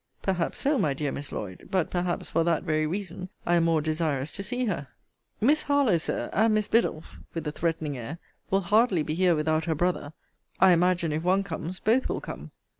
Perhaps so, my dear Miss Lloyd: but, perhaps, for that very reason, I am more desirous to see her. Miss Harlowe, Sir, and Miss Biddulph, with a threatening air, will hardly be here without her brother. I imagine, if one comes, both will come.